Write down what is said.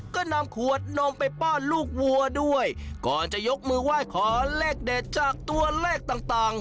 ก็นำขวดนมไปป้อนลูกวัวด้วยก่อนจะยกมือไหว้ขอเลขเด็ดจากตัวเลขต่างต่าง